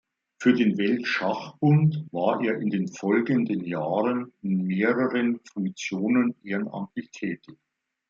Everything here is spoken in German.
Für den Weltschachbund war er in den folgenden Jahren in mehreren Funktionen ehrenamtlich tätig.